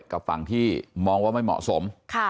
กับฝั่งที่มองว่าไม่เหมาะสม